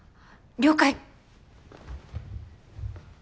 了解。